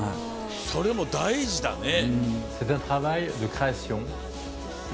それも大事だね。